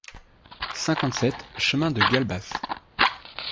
cinquante-sept chemin de Galbas